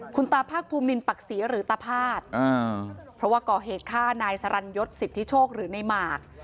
คุณตาภาคภูมินินปักศรีหรือตาพาดเพราะว่าก่อเหตุฆ่านายสรรยศสิทธิโชคหรือในหมาก